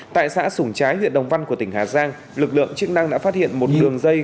tại xã sủng trái huyện đồng văn của tỉnh hà giang lực lượng chức năng đã phát hiện một đường dây